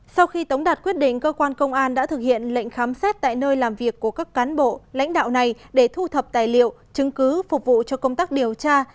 sau khi tống đạt quyết định cơ quan công an đã thực hiện lệnh khám xét tại nơi làm việc của các cán bộ lãnh đạo này để thu thập tài liệu chứng cứ phục vụ cho công tác điều tra